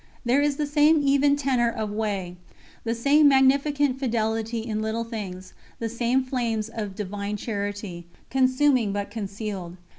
There is the same even tenor of way, the same magnificant fidelity in little things, the same flames of divine charity, consuming but concealed.